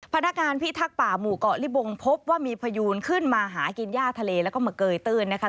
พนักงานพิทักษ์ป่าหมู่เกาะลิบงพบว่ามีพยูนขึ้นมาหากินย่าทะเลแล้วก็มาเกยตื้นนะคะ